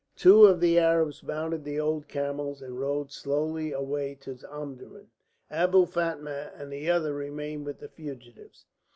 Two of the Arabs mounted the old camels and rode slowly away to Omdurman. Abou Fatma and the other remained with the fugitives.